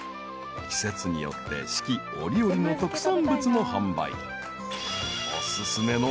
［季節によって四季折々の特産物も販売］